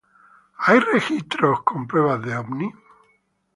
¿Registros muestran prueba de ovnis?